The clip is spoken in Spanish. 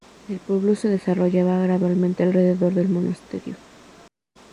El pueblo se desarrollaba gradualmente alrededor del monasterio.